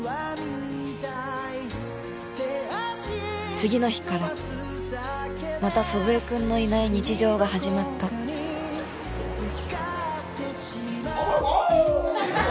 次の日からまた祖父江君のいない日常が始まったおうおう！